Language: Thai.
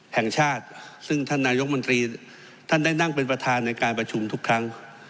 แห่งชาติซึ่งท่านนายกมนตรีท่านได้นั่งเป็นประธานในการประชุมทุกครั้ง